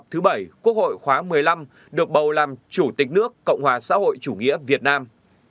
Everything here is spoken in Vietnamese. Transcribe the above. cũng trong sáng nay hai mươi hai tháng năm quốc hội khóa một mươi năm được bầu làm chủ tịch nước cộng hòa xã hội chủ nghĩa việt nam